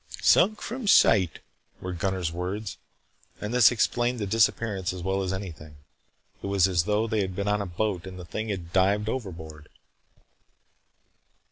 "Sunk from sight," were Gunnar's words, and this explained the disappearance as well as anything. It was as though they had been on a boat and the thing had dived overboard.